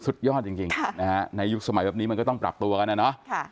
สุดยอดจริงนะฮะในยุคสมัยแบบนี้มันก็ต้องปรับตัวกันนะเนาะ